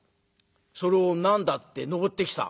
「それを何だって登ってきた？」。